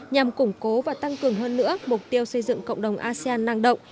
nhằm củng cố và tăng cường hơn nữa mục tiêu xây dựng cộng đồng asean năng động